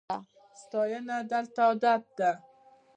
ستاینه دلته عادت ده.